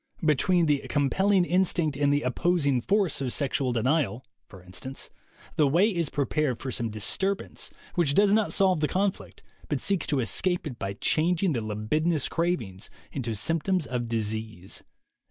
"Between the compelling instinct and the opposing force of sexual denial," for instance, "the way is prepared for some disturbance which does not solve the conflict but seeks to escape it by changing the libidinous cravings into symptoms of disease."